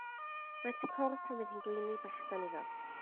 Maent yn cwrdd pan fydd hi'n gweini brechdan iddo.